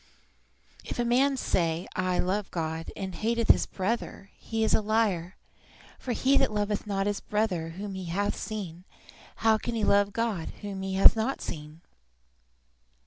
"If a man say, I love God, and hateth his brother, he is a liar; for he that loveth not his brother whom he hath seen, how can he love God whom he hath not seen?"